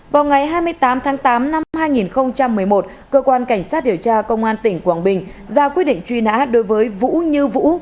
vào ngày hai mươi tám tháng tám năm hai nghìn một mươi một cơ quan cảnh sát điều tra công an tỉnh quảng bình ra quyết định truy nã đối với vũ như vũ